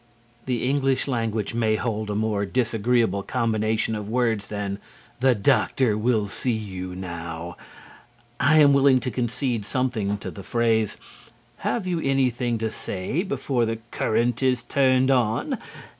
The English language may hold a more disagreeable combination of words than "The doctor will see you now." I am willing to concede something to the phrase "Have you anything to say before the current is turned on."